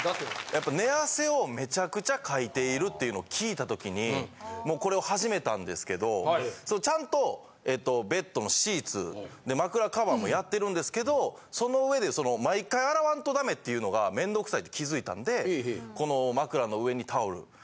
やっぱ寝汗をめちゃくちゃかいているというのを聞いた時にもうこれを始めたんですけどちゃんとベッドのシーツ枕カバーもやってるんですけどその上で毎回洗わんとダメっていうのがめんどくさいって気づいたんでこの。